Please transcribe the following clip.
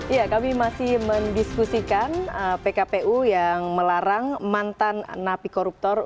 ya kami masih mendiskusikan pkpu yang melarang mantan napi koruptor